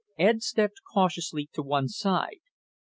Ed stepped cautiously to one side.